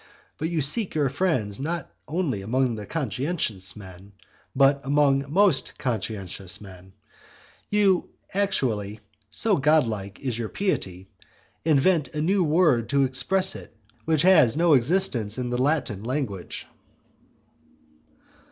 But you seek your friends not only among conscientious men, but among most conscientious men. And you actually, so godlike is your piety, invent a new word to express it which has no existence in the Latin language.